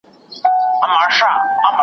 په انګلستان کي یو شهزاده دی .